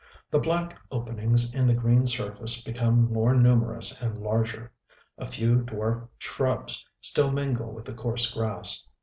... The black openings in the green surface become more numerous and larger. A few dwarf shrubs still mingle with the coarse grass....